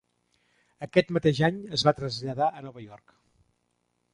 Aquest mateix any es va traslladar a Nova York.